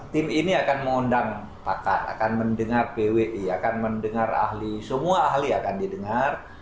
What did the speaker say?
tim ini akan mengundang pakar akan mendengar pwi akan mendengar ahli semua ahli akan didengar